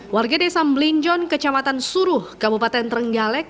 warga desa melinjon kecamatan suruh kabupaten trenggalek